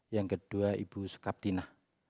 yang kedua ibu sukaptina